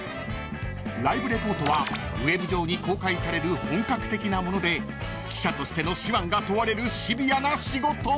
［ライブレポートはウェブ上に公開される本格的なもので記者としての手腕が問われるシビアな仕事］